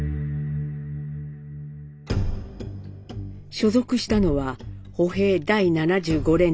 所属したのは歩兵第七十五連隊。